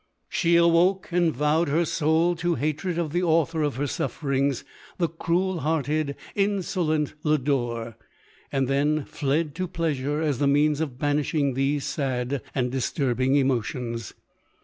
She awoke, and vowed her soul to hatred of the author of her sufferings — the cruel hearted, insolent Lodore ; and then fled to pleasure as the means of banishing these sad and disturbing emotions.